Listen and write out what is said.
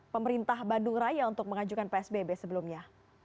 pemerintah bandung raya untuk mengajukan psbb sebelumnya